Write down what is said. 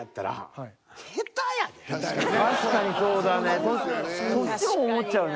確かにそうだね。